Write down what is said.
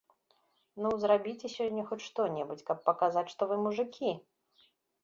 Ну, зрабіце сёння хоць што-небудзь, каб паказаць, што вы мужыкі!